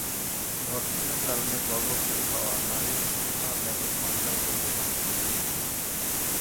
ধর্ষণের কারণে গর্ভবতী হওয়া নারীর সংখ্যা ব্যাপকমাত্রায় পরিবর্তনশীল।